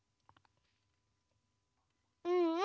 うんうん！